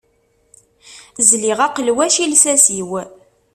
Zliɣ aqelwac i lsas-iw.